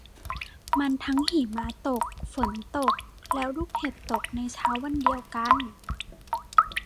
มันทั้งหิมะตกฝนตกแล้วลูกเห็บตกในเช้าวันเดียวกัน